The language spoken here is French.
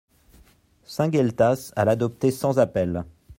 Saint-Gueltas à l'adopter sans appel.